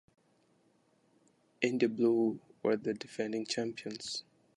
India Blue were the defending champions.